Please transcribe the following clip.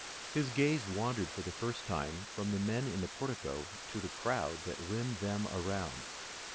His gaze wandered for the first time from the men in the portico to the crowd without that rimmed them around.